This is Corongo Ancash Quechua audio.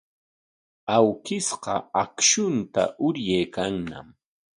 Awkishqa akshunta uryaykanñam.